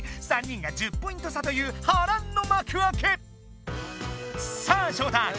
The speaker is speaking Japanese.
３人が１０ポイント差というはらんのまくあけ！さあショウタ